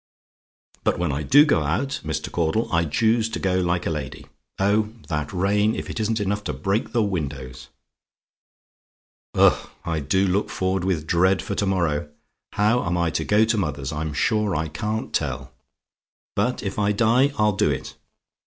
But when I do go out, Mr. Caudle, I choose to go like a lady. Oh! that rain if it isn't enough to break in the windows. "Ugh! I do look forward with dread for to morrow! How I am to go to mother's I'm sure I can't tell. But if I die I'll do it.